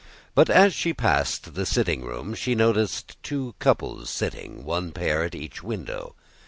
But as she passed the sitting room she noticed two couples sitting, one pair at each window.